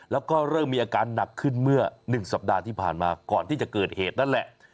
แล้วก็เริ่มมีอาการหนักขึ้นเมื่อ๑สัปดาห์ที่ผ่านมาก่อนที่จะเกิดเหตุนั่นแหละ